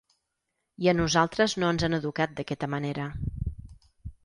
I a nosaltres no ens han educat d’aquesta manera.